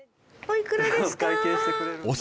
お会計してくれるんだ。